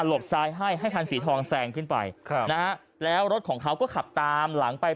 บซ้ายให้ให้คันสีทองแซงขึ้นไปครับนะฮะแล้วรถของเขาก็ขับตามหลังไป